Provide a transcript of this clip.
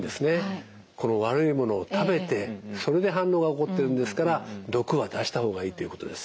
悪いものを食べてそれで反応が起こってるんですから毒は出した方がいいっていうことです。